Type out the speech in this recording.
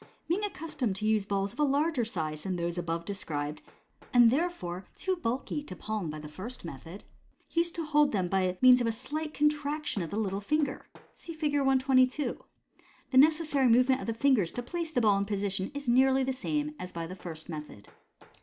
Being accustomed to use balls of a larger size than those above described, and there fore too bulky to palm by the first method, he used to hold them by means of a slight contraction of the little finger. (See Fig. 122.) The necessary movement of the fingers to place the ball in position is nearly the same as by the first method.